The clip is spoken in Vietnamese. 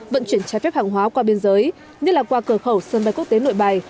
vận chuyển trái phép hàng hóa qua biên giới như là qua cửa khẩu sân bay quốc tế nội bài